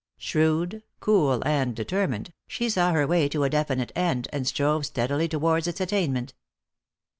Shrewd, cool and determined, she saw her way to a definite end, and strove steadily towards its attainment.